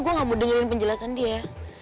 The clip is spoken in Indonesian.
gue gak mau dengerin penjelasan dia ya